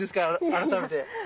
改めて。